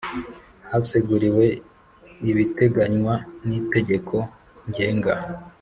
Haseguriwe ibiteganywa n Itegeko Ngenga